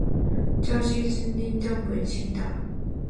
同是天涯沦落人，相逢何必曾相识